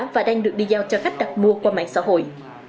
và đang được đi giao cho khách đặt mua qua mạng xã hội